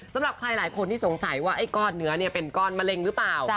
สำหรับใครหลายคนที่สงสัยว่าไอ้ก้อนเนื้อเป็นก้อนมะเร็งหรือเปล่า